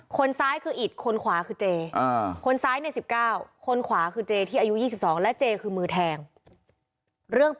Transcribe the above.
คนซ้ายอีกคนขวาคือเจสัย๑๙คนขวาคือเจที่อายุ๒๒และเจจะเป็นร่างแต่ง